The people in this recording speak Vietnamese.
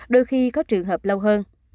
đôi khi có trường hợp lâu hơn